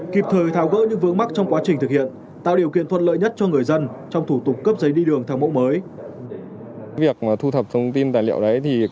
kịp thời tháo gỡ những vướng mắt trong quá trình thực hiện tạo điều kiện thuận lợi nhất cho người dân trong thủ tục cấp giấy đi đường theo mẫu mới